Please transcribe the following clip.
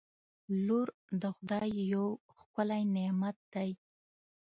• لور د خدای یو ښکلی نعمت دی.